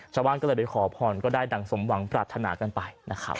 ชาวบ้านก็เลยไปขอพรก็ได้ดังสมวังประทานากันไป